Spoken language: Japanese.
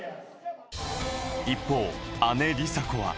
一方、姉・梨紗子は。